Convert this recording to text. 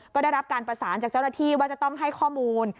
ก็ได้รับการประสานจากเจ้าหน้าที่ว่าจะต้องให้ข้อมูล